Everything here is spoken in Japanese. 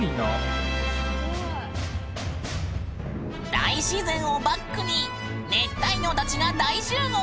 大自然をバックに熱帯魚たちが大集合したぬーん。